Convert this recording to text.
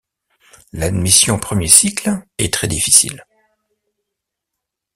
L'admission en premier cycle est très difficile.